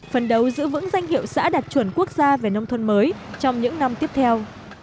phần đầu giữ vững danh hiệu xã đạt chuẩn quốc gia về nông thôn mới trong những năm tiếp theo